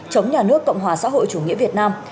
chống nhà nước cộng hòa xã hội chủ nghĩa việt nam